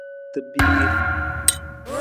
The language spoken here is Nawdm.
Tabiir.